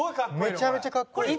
めちゃめちゃ格好いい。